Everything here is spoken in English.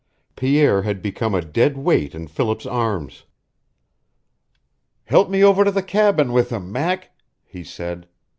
Pierce had become a dead weight in Philip's arms. "Help me over to the cabin with him, Mac," he said.